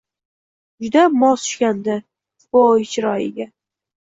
Juda mos tushgandi bo` chiroyiga…